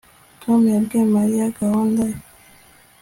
Tom yabwiye Mariya gahunda ye